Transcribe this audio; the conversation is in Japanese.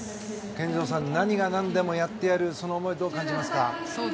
健三さん何が何でもやってやるその思いどう感じますか。